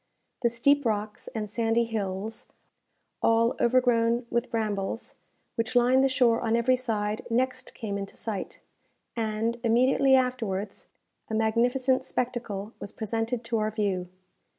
The steep rocks and sandy hills, all overgrown with brambles, which line the shore on every side next came into sight; and, immediately afterwards, a magnificent spectacle was presented to our view.